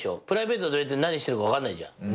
プライベートで別に何してるか分かんないじゃん。